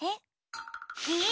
え？